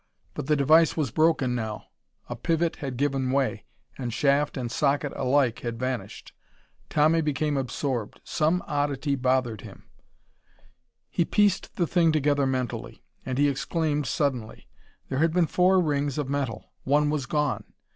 But the device was broken, now. A pivot had given away, and shaft and socket alike had vanished. Tommy became absorbed. Some oddity bothered him.... He pieced the thing together mentally. And he exclaimed suddenly. There had been four rings of metal! One was gone!